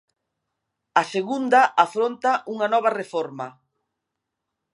A Segunda afronta unha nova reforma.